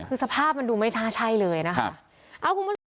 คือสภาพมันดูไม่น่าใช่เลยนะคะ